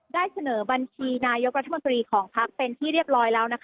ได้เสนอบัญชีนายกรัฐมนตรีของพักเป็นที่เรียบร้อยแล้ว